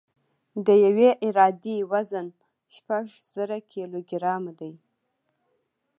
د یوې عرادې وزن شپږ زره کیلوګرام دی